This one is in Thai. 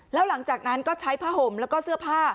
แล้วหลังจากนั้นก็ใช้ผ้าห่มแล้วก็เสื้อผ้า